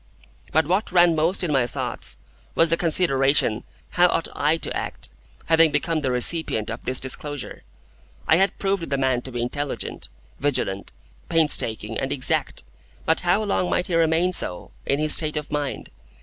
But what ran most in my thoughts was the consideration how ought I to act, having become the recipient of this disclosure? I had proved the man to be intelligent, vigilant, painstaking, and exact; but how long might he remain so, in his state of mind?